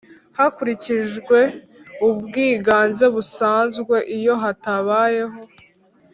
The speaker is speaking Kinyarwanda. Hakurikijwe ubwiganze busanzwe iyo hatabayeho